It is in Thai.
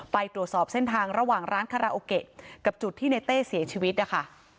ไปตรวจสอบเส้นทางระหว่างร้านคาราโอเกะกับจุดที่ในเต้เสียชีวิตนะคะ